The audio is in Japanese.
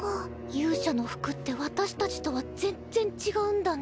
勇者の服って私たちとは全然違うんだね。